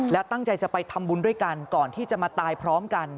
แล้วตั้งใจจะไปทำบุญด้วยกันก่อนที่จะมาตายพร้อมกัน